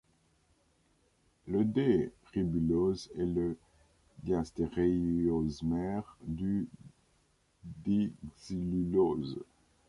Le D-ribulose est le diastéréoisomère du D-xylulose.